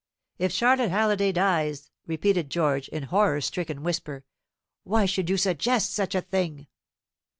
"If Charlotte Halliday dies!" repeated George, in a horror stricken whisper; "why should you suggest such a thing?"